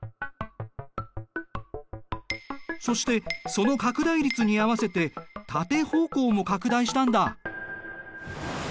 そしてその拡大率に合わせて縦方向も拡大したんだ。